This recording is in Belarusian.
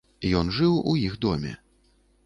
Ён жыў у іх доме.